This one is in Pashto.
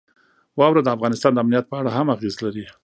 واوره د افغانستان د امنیت په اړه هم اغېز لري.